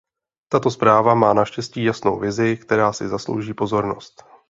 Tato zpráva má naštěstí jasnou vizi, která si zaslouží pozornost.